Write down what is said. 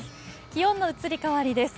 気温の移り変わりです。